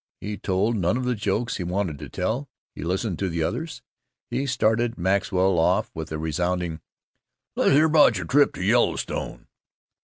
He told none of the jokes he wanted to tell. He listened to the others. He started Maxwell off with a resounding, "Let's hear about your trip to the Yellowstone."